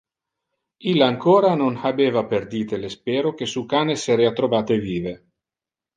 Illa ancora non habeva perdite le spero que su can esserea trovate vive.